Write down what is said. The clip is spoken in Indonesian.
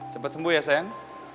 cepet sembuh ya sayang